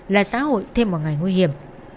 là xã hội thêm một ngày nguy hiểm